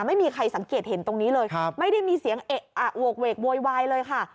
ไม่มีใครสังเกตเห็นตรงนี้เลยไม่ได้มีเสียงเอะอะโหกเวกโวยวายเลยค่ะ